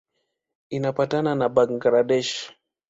Inapakana na Bangladesh.